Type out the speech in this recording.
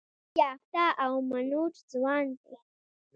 تحصیل یافته او منور ځوان دی.